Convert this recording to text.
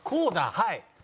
はい。